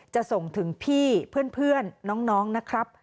จะส่งถึงพี่เพื่อนน้องนะครับ